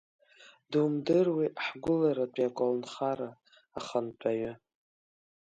Думдыруеи ҳгәыларатәи аколнхара ахантәаҩы?